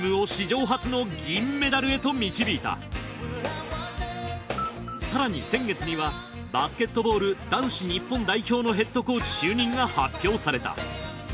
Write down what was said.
チームを更に先月にはバスケットボール男子日本代表のヘッドコーチ就任が発表された。